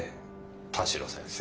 田代先生。